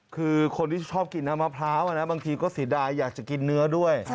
คือคนที่ชอบกินน้ำมะพร้าวบางทีก็เสียดายอยากจะกินเนื้อด้วย